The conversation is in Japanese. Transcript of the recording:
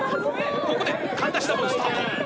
ここで神田シナボン、スタート。